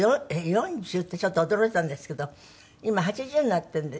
４０ってちょっと驚いたんですけど今８０になっているんで。